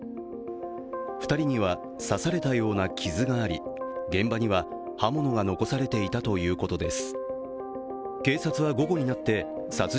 ２人には刺されたような傷があり、現場には刃物が残されていたということです。